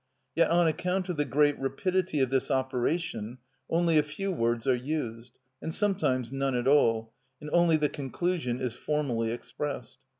Yet on account of the great rapidity of this operation only a few words are used, and sometimes none at all, and only the conclusion is formally expressed.